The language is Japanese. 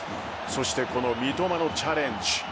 そして三笘のチャレンジ。